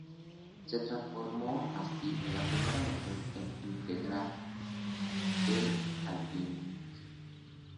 Se transformó así en la primera mujer en integrar el Alþingi.